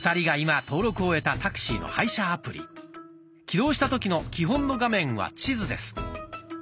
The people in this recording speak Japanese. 起動した時の基本の画面は地図です。